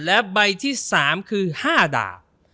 และใบที่๓คือ๕ดาบ